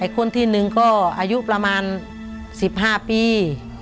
คนที่๑ก็อายุประมาณ๑๕ปี